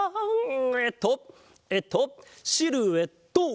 えっとえっとシルエット！